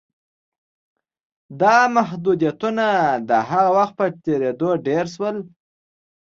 دا محدودیتونه د وخت په تېرېدو ډېر شول